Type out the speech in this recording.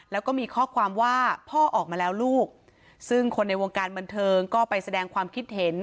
แล้วก็มีข้อความว่าพ่อออกมาแล้วลูกซึ่งคนในวงการบันเทิงก็ไปแสดงความคิดเห็น